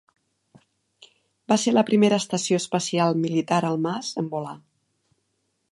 Va ser la primera estació espacial militar Almaz en volar.